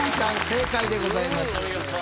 正解でございます。